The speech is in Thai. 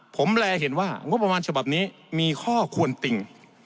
ผมแลเห็นว่างบประมาณฉบับนี้มีข้อควรติ่ง